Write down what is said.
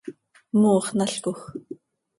mooxnalcoj.